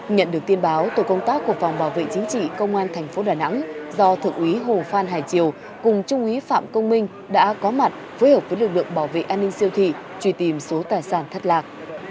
nhận được tin báo tổ công tác của phòng bảo vệ chính trị công an thành phố đà nẵng do thượng úy hồ phan hải triều cùng trung úy phạm công minh đã có mặt phối hợp với lực lượng bảo vệ an ninh siêu thị truy tìm số tài sản thất lạc